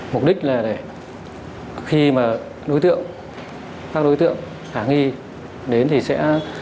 mục đích là để khi mà đối tượng các đối tượng khả nghi đến thì sẽ